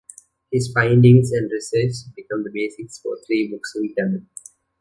His findings and research became the basis for three books in Tamil.